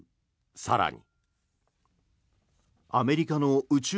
更に。